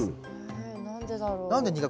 え何でだろう？